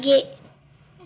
aku di mana bu